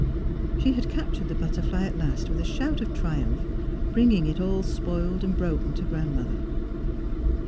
She had captured the butterfly at last with a shout of triumph, bringing it all spoiled and broken to Grandmother.